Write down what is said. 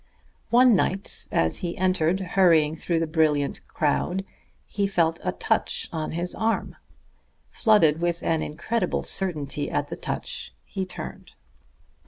One night as he entered, hurrying through the brilliant crowd, he felt a touch on his arm. Flooded with an incredible certainty at the touch, he turned.